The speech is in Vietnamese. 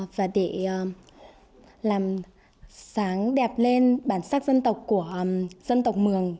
và để làm sáng đẹp lên bản sắc dân tộc của dân tộc mường